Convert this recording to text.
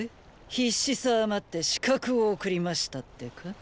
必死さあまって刺客送りましたってか。